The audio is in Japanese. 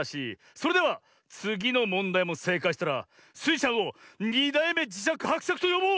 それではつぎのもんだいもせいかいしたらスイちゃんを「２だいめじしゃくはくしゃく」とよぼう！